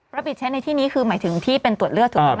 รับผิดเทคในที่นี้คือหมายถึงที่เป็นตรวจเลือดถูกหรือเปล่า